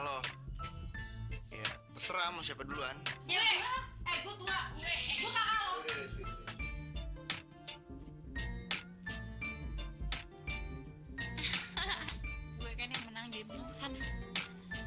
lo ya terserah mau siapa duluan ya gue tuh gue gue kan yang menang game sana